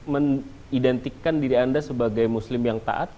mengidentikan diri anda sebagai muslim yang taat